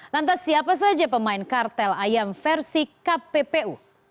lantas siapa saja pemain kartel ayam versi kppu